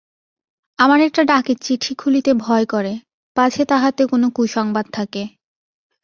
আমার একটা ডাকের চিঠি খুলিতে ভয় করে, পাছে তাহাতে কোনো কুসংবাদ থাকে।